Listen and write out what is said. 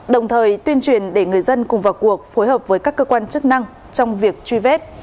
đồng thời tuyên truyền để người dân cùng vào cuộc phối hợp với các cơ quan chức năng trong việc truy vết